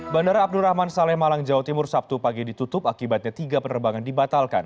bandara abdurrahman saleh malang jawa timur sabtu pagi ditutup akibatnya tiga penerbangan dibatalkan